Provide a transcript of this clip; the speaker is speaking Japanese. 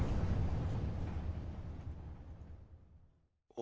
あ。